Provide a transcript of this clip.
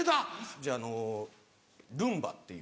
じゃああのルンバっていう。